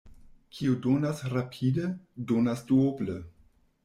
Kiu donas rapide, donas duoble.